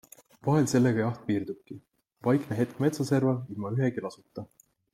Vahel sellega jaht piirdubki - vaikne hetk metsaserval, ilma ühegi lasuta.